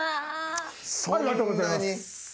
ありがとうございます。